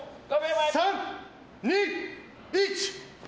３、２、１。